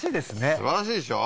すばらしいでしょ